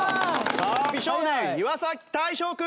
さあ美少年岩大昇君！